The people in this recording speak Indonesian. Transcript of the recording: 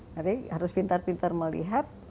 jadi harus pintar pintar melihat